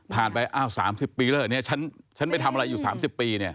ผ่านไป๓๐ปีแล้วเนี่ยฉันไปทำอะไรอยู่๓๐ปีเนี่ย